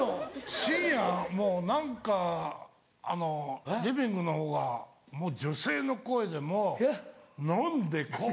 深夜もう何かあのリビングのほうがもう女性の声でもう飲んでこう。